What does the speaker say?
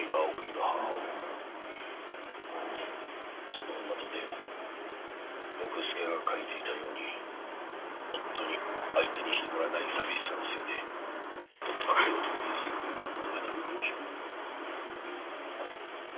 その女とて六助が書いていたように夫に相手にしてもらえない寂しさのせいで若い男に救いを求めたのかもしれん。